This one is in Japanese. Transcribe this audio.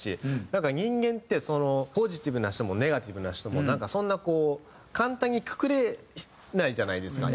なんか人間ってポジティブな人もネガティブな人もそんなこう簡単にくくれないじゃないですか。